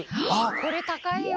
これ高いよ！？